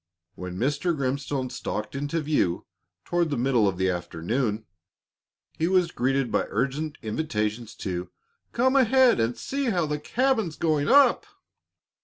When Mr. Grimstone stalked into view, toward the middle of the afternoon, he was greeted by urgent invitations to "Come ahead and see how the cabin's going up!"